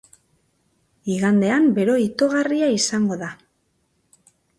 Igandean bero itogarria izango da.